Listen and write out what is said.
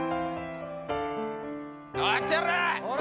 おうやってやるわ！